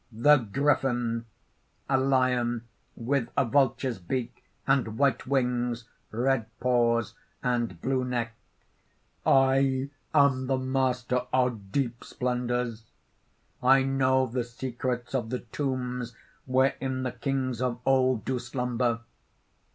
THE GRIFFIN (A lion with a vulture's beak, and white wings, red paws and blue neck): "I am the master of deep splendours. I know the secrets of the tombs wherein the Kings of old do slumber.